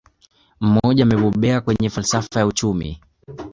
Mmoja amebobea kwenye falsafa ya uchumi